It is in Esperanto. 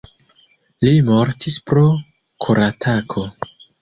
Li mortis pro koratako.